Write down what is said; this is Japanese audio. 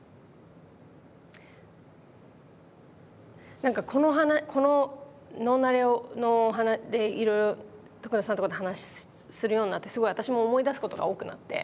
なんかこの「ノーナレ」のでいろいろ徳田さんとかと話するようになってすごい私も思い出すことが多くなって。